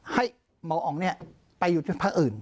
ให้หมออ๋องไปอยู่ที่ภาคอื่น